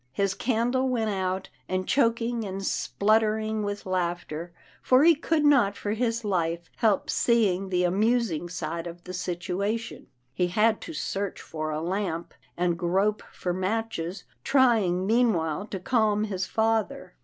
His candle went out, and choking and spluttering with laughter, for he could not for his life help seeing the amusing side of a situation, he had to search for a lamp, and grope for matches, trying meanwhile to calm his father.